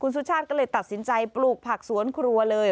สุชาติก็เลยตัดสินใจปลูกผักสวนครัวเลย